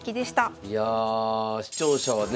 いや視聴者はね